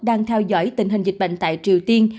đang theo dõi tình hình dịch bệnh tại triều tiên